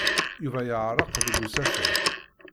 Yuba yeɛreq deg usafag.